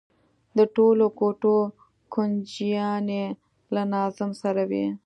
د ټولو کوټو کونجيانې له ناظم سره وي.